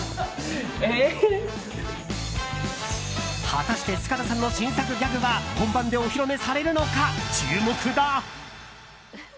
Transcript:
果たして塚田さんの新作ギャグは本番でお披露目されるのか注目だ。